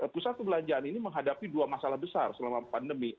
pusat perbelanjaan ini menghadapi dua masalah besar selama pandemi